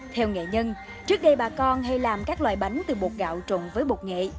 theo nghệ nhân trước đây bà con hay làm các loại bánh từ bột gạo trộn với bột nghệ